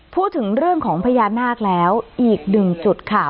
พูดถึงเรื่องของพญานาคแล้วอีกหนึ่งจุดค่ะ